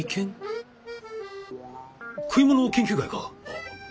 食い意地研究会か？